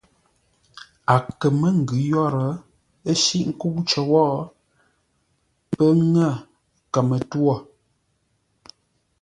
A kə̂ mə́ ngʉ̌ yə́rə́, ə́ shíʼ nkə́u cər wó, pə́ ŋə̂ kəmə-twô.